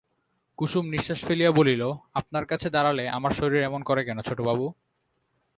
কুসুম নিশ্বাস ফেলিয়া বলিল, আপনার কাছে দাড়ালে আমার শরীর এমন করে কেন ছোটবাবু?